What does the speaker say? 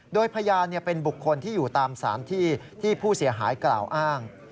โดยพยานเป็นบุคคลที่อยู่ตามสารที่ที่ผู้เสียหายกล่าวอ้าง